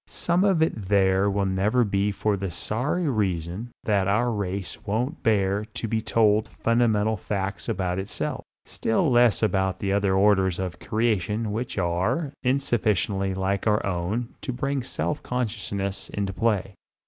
Some of it there will never be for the sorry reason that our race won't bear to be told fundamental facts about itself, still less about other orders of creation which are sufficiently like our own to bring self consciousness into play.